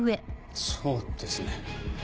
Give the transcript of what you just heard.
そうですね。